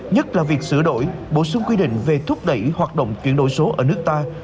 nhất là việc sửa đổi bổ sung quy định về thúc đẩy hoạt động chuyển đổi số ở nước ta